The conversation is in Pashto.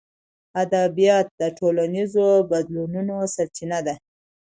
ادبیات د ټولنیزو بدلونونو سرچینه ده.